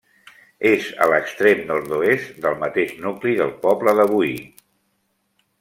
És a l'extrem nord-oest del mateix nucli del poble de Boí.